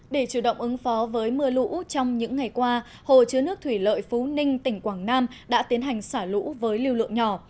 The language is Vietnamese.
để chủ động ứng phó với mưa lũ trong những ngày qua hồ chứa nước thủy lợi phú ninh tỉnh quảng nam đã tiến hành xả lũ với lưu lượng nhỏ